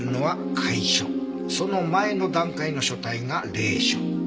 その前の段階の書体が隷書。